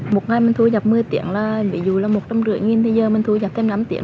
một ngày mình thu nhập một mươi tiếng là dù là một trăm năm mươi thì giờ mình thu nhập thêm năm tiếng